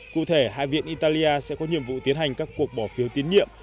cụ thể hai viện italia sẽ có nhiệm vụ tiến hành các cuộc bỏ phiếu tiến nhiệm